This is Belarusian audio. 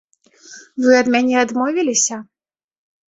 Вы ад мяне адмовіліся?